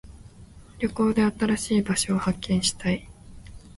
旅行で新しい場所を発見したい。